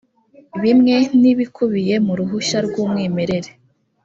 bimwe n ibikubiye mu ruhushya rw umwimerere